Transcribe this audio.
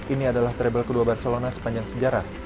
ini adalah trible kedua barcelona sepanjang sejarah